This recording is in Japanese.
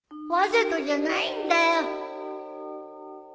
わざとじゃないんだよ